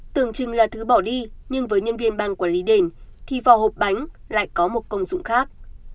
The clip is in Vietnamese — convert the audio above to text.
tưởng chừng là thứ bỏ đi nhưng với nhân viên ban quản lý đền thì vỏ hộp bánh lại có một công dụng khác